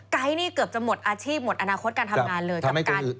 ไกลท์นี้เกือบจะหมดอาชีพหมดอนาคตการทำงานเลย